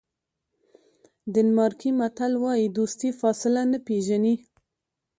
ډنمارکي متل وایي دوستي فاصله نه پیژني.